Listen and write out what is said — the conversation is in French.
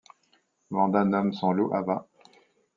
Vanda nomme son loup Ava.